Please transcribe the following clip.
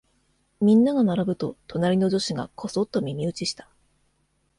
みんなが並ぶと、隣の女子がこそっと耳打ちした。